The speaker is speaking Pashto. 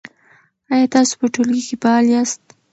آیا تاسو په ټولګي کې فعال یاست؟